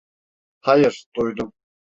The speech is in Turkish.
Hayır, duydum!